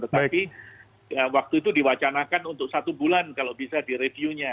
tetapi waktu itu diwacanakan untuk satu bulan kalau bisa direview nya